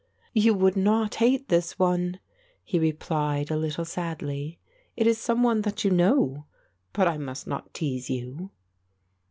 "You would not hate this one," he replied a little sadly; "it is some one that you know. But I must not tease you."